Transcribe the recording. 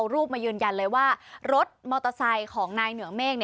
รูปมายืนยันเลยว่ารถมอเตอร์ไซค์ของนายเหนือเมฆ